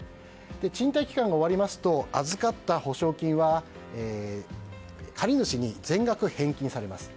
賃貸期間が終わりますと預かった保証金は借り主に全額、返金されます。